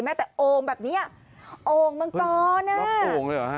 แต่โอ่งแบบเนี้ยโอ่งมังกรอ่ะโอ่งเลยเหรอฮะ